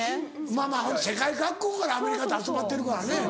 まぁまぁ世界各国からアメリカって集まってるからね。